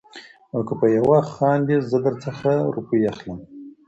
او که په يوه خاندې زه در څخه روپۍ اخلم.